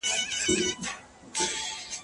ښځې باید د زده کړې لپاره ټول حقونه ولري.